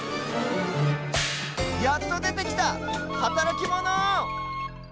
やっとでてきたはたらきモノ！